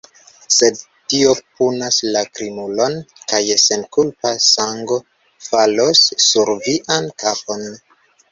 sed Dio punas la krimulon, kaj senkulpa sango falos sur vian kapon!